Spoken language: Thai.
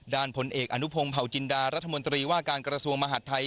ด้านผลเอกอานุพงศ์เกียร์ผ่าวจิณดารัฐมนตรีว่าการกระทรวงมหทัย